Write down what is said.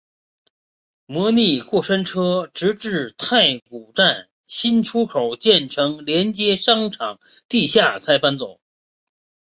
虚拟过山车直至太古站新出口建成连接商场地下才搬走。